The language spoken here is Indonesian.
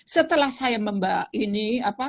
setelah saya membuat ini